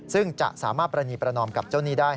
ซึ่งจะสามารถปรณีประนอมกับเจ้าหนี้ได้